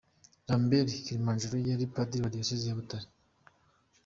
Lambert Kalinijabo yari padiri muri diyoseze ya Butare.